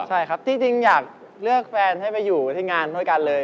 ใช่ครับจริงอยากเลือกแฟนให้ไปอยู่ที่งานด้วยกันเลย